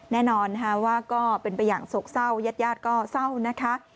แน่นอนว่าก็เป็นไปอย่างโศกเศร้ายาดก็เศร้านะคะ